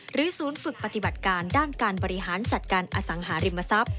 ศูนย์ฝึกปฏิบัติการด้านการบริหารจัดการอสังหาริมทรัพย์